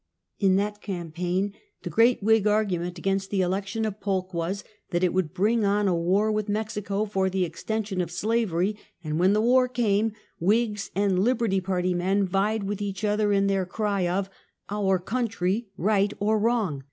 In that campaign, the great Whig argument against the election of Polk was, that it would bring on a war with Mexico for the extension of slavery, and when the war came, Whigs and Liberty Party men vied with each other in their cry of "Our Country, right or wrong!